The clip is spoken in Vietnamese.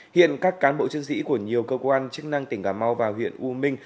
hiện các cán bộ chiến sĩ của nhiều cơ quan chức năng tỉnh cà mau và huyện u minh